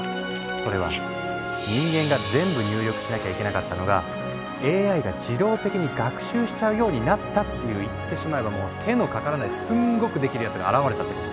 それは人間が全部入力しなきゃいけなかったのがＡＩが自動的に学習しちゃうようになったっていう言ってしまえばもう手のかからないすんごくデキるヤツが現れたってこと。